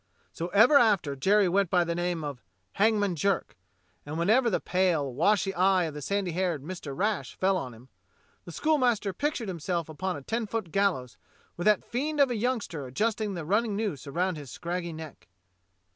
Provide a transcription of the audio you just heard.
So ever after Jerry went by the name of *' Hangman Jerk," and when ever the pale, washy eye of the sandy haired Mr. Rash fell on him, the schoolmaster pictured himself upon a ten foot gallows with that fiend of a youngster adjust ing the running noose around his scraggy neck.